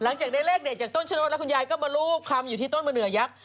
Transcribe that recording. หลังจากได้เลขเด็ดจากต้นชะโนธแล้วคุณยายก็มารูปคำอยู่ที่ต้นมะเดือยักษ์